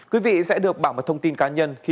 quý vị sẽ được bảo mật thông tin cá nhân